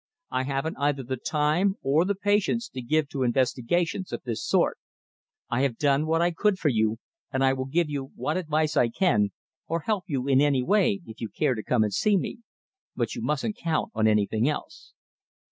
I haven't either the time or the patience to give to investigations of this sort. I have done what I could for you, and I will give you what advice I can, or help you in any way, if you care to come and see me. But you mustn't count on anything else."